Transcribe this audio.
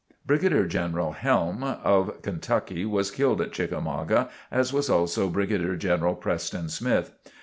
Brigadier General Helm of Kentucky was killed at Chickamauga, as was also Brigadier General Preston Smith.